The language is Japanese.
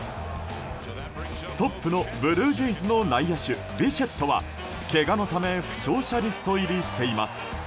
トップのブルージェイズの内野手ビシェットはけがのため負傷者リスト入りしています。